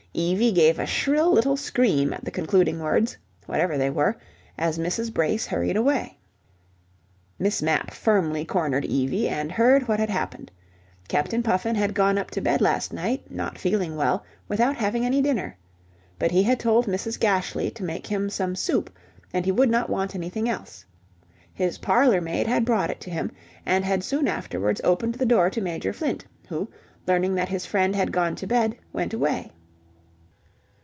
Evie gave a shrill little scream at the concluding words, whatever they were, as Mrs. Brace hurried away. Miss Mapp firmly cornered Evie, and heard what had happened. Captain Puffin had gone up to bed last night, not feeling well, without having any dinner. But he had told Mrs. Gashly to make him some soup, and he would not want anything else. His parlour maid had brought it to him, and had soon afterwards opened the door to Major Flint, who, learning that his friend had gone to bed, went away.